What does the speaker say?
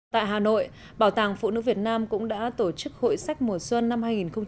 tại hà nội bảo tàng phụ nữ việt nam cũng đã tổ chức hội sách mùa xuân năm hai nghìn một mươi chín